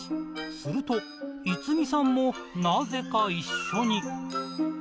すると、逸美さんもなぜか一緒に。